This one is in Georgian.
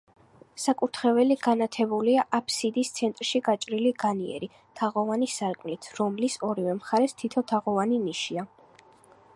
საკურთხეველი განათებულია აფსიდის ცენტრში გაჭრილი განიერი, თაღოვანი სარკმლით, რომლის ორივე მხარეს თითო თაღოვანი ნიშაა.